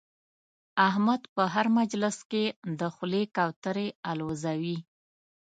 احمد په هر مجلس کې د خولې کوترې اولوزوي.